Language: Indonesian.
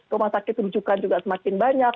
rumah sakit rujukan juga semakin banyak